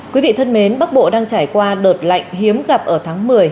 quý vị thân mến bắc bộ đang trải qua đợt lạnh hiếm gặp ở tháng một mươi